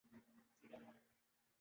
فوج جس کا کام سرحدوں کی حفاظت ہے